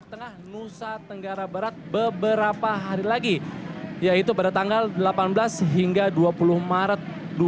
tengah nusa tenggara barat beberapa hari lagi yaitu pada tanggal delapan belas hingga dua puluh maret dua ribu dua puluh